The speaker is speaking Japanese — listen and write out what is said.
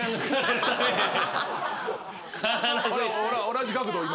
同じ角度今。